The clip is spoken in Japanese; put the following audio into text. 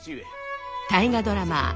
大河ドラマ